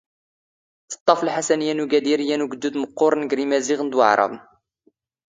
ⵜⵟⵟⴰⴼ ⵍⵃⴰⵙⴰⵏⵉⵢⴰ ⵏ ⵓⴳⴰⴷⵉⵔ ⵢⴰⵏ ⵓⴳⴷⵓⴷ ⵎⵇⵇⵓⵔⵏ ⴳⵔ ⵉⵎⴰⵣⵉⵖⵏ ⴷ ⵡⴰⵄⵕⴰⴱⵏ.